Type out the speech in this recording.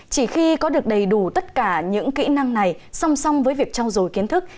chỉ khi có được đầy đủ tất cả những kỹ năng này song song với việc trao dồi kiến thức